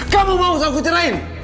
kamu mau aku cerain